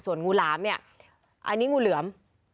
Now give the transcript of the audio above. ส่วนงูหลามนี่อันนี้งูเหลือม